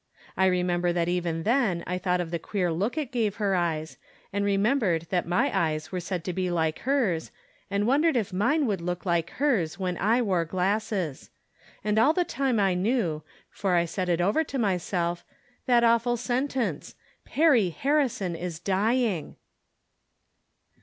I remember that even then I thought of the queer 54 From Different Standpoints. 65 look it gave her eyes, and remembered that my eyes were said to be like hers, and wondered if mine would look like hers when I wore glasses. And all the time I knew, for I said it over to myself, that awful sentence :" Perry Harrison is dying!"